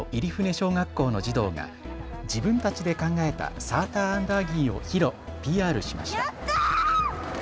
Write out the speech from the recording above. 小学校の児童が自分たちで考えたサーターアンダギーをＰＲしました。